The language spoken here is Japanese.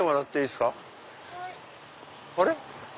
あれ？